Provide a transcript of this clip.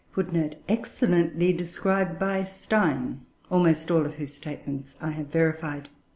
[Footnote 6: Excellently described by Stein, almost all of whose statements I have verified.